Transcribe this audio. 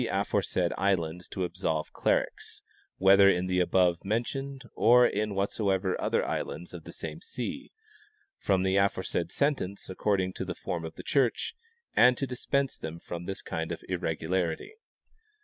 aforesaid islands to absolve clerics, whether in the above men tioned or in whatsoever other islands of the same sea, from the aforesaid sentence according to the form of the church, and to dispense them from this kind of irregularity.